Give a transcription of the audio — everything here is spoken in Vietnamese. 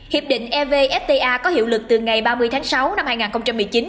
hiệp định evfta có hiệu lực từ ngày ba mươi tháng sáu năm hai nghìn một mươi chín